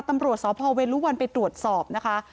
ตำรวจสพเวลุวันไปตรวจสอบนะคะ